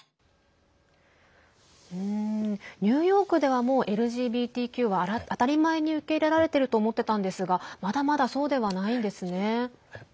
ニューヨークではもう、ＬＧＢＴＱは当たり前に受け入れられてると思ってたんですがまだまだ、そうではないんですね。